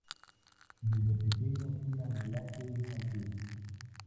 Desde pequeña hacía modelaje infantil.